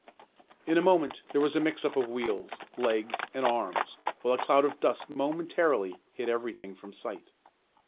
In a moment there was a mix up of wheels, legs and arms, while a cloud of dust momentarily hid everything from sight.